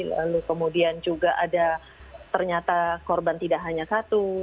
lalu kemudian juga ada ternyata korban tidak hanya satu